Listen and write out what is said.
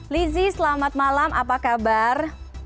lizzie selamat malam apa kabar